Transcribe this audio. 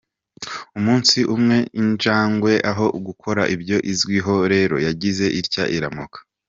Umunsi umwe injangwe aho gukora ibyo izwiho rero yagize itya iramoka.